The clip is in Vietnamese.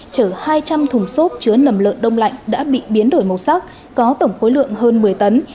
chở hai trăm linh thùng xốp chứa nầm lợn đông lạnh đã bị biến đổi màu sắc có tổng khối lượng hơn một mươi tấn